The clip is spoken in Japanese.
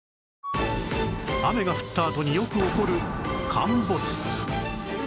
雨が降ったあとによく起こる陥没